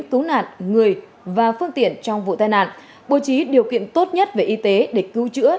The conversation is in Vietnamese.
cứu nạn người và phương tiện trong vụ tai nạn bố trí điều kiện tốt nhất về y tế để cứu chữa